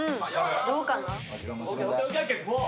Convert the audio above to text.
どうかな？